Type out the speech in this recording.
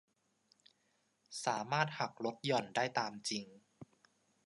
สามารถหักลดหย่อนได้ตามจริง